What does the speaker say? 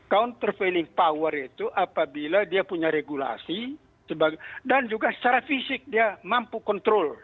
counter failing power itu apabila dia punya regulasi dan juga secara fisik dia mampu kontrol